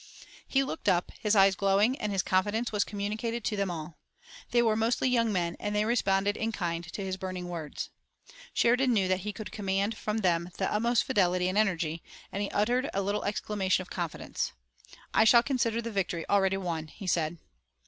He looked up, his eyes glowing and his confidence was communicated to them all. They were mostly young men and they responded in kind to his burning words. Sheridan knew that he could command from them the utmost fidelity and energy, and he uttered a little exclamation of confidence. "I shall consider the victory already won," he said.